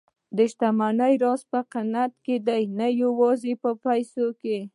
د شتمنۍ راز په قناعت کې دی، نه یوازې په پیسو کې.